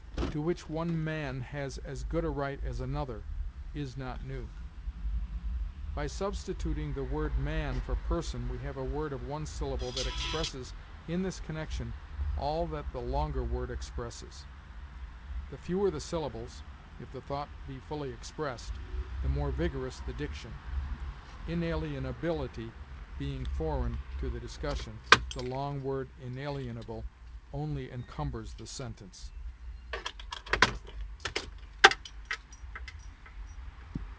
to which one man has as good a right as another, is not new." By substituting the word man for person, we have a word of one syllable that expresses, in this connection, all that the longer word expresses. The fewer the syllables, if the thought be fully expressed, the more vigorous the diction. Inalienability being foreign to the discussion, the long word inalienable only encumbers the sentence.